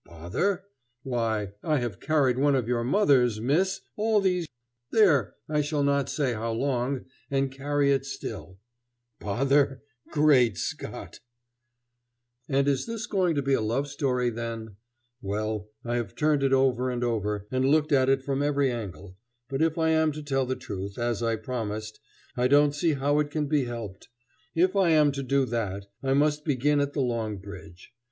Bother? Why, I have carried one of your mother's, miss! all these there, I shall not say how long and carry it still. Bother? Great Scott! [Illustration: The Meeting on the Long Bridge.] And is this going to be a love story, then? Well, I have turned it over and over, and looked at it from every angle, but if I am to tell the truth, as I promised, I don't see how it can be helped. If I am to do that, I must begin at the Long Bridge.